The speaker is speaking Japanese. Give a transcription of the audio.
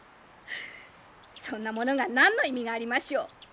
そんなものが何の意味がありましょう。